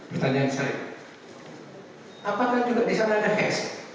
pertanyaan saya apakah juga di sana ada s